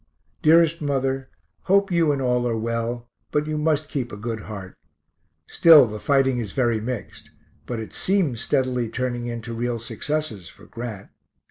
Dearest mother, hope you and all are well you must keep a good heart. Still, the fighting is very mixed, but it seems steadily turning into real successes for Grant.